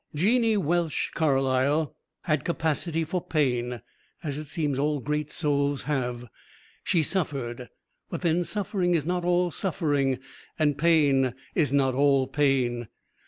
Jeannie Welsh Carlyle had capacity for pain, as it seems all great souls have. She suffered but then suffering is not all suffering and pain is not all pain.